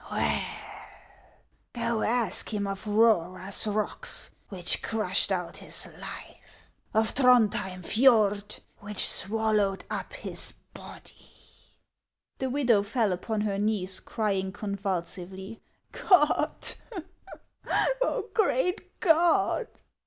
" Well, go ask him of Roeraas rocks, which crushed out HANS OF ICELAND. 197 his life ; of Throndhjem Fjord, which swallowed up his body." The widow fell upon her knees, crying convulsively, " God ! great God